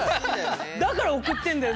だから送ってんだよ。